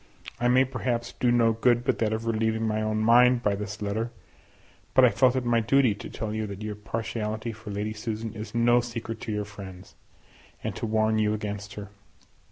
I may perhaps do no good but that of relieving my own mind by this letter, but I felt it my duty to tell you that your partiality for Lady Susan is no secret to your friends, and to warn you against her.